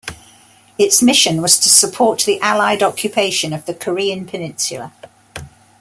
Its mission was to support the allied occupation of the Korean peninsula.